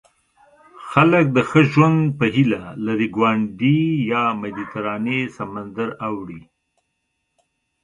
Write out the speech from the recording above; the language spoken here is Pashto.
خلک د ښه ژوند په هیله له ریوګرانډي یا مدیترانې سمندر اوړي.